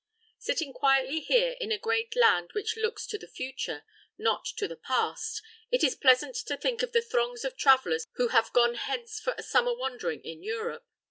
Sitting quietly here in a great land which looks to the future, not to the past, it is pleasant to think of the throngs of travellers who have gone hence for a summer wandering in Europe.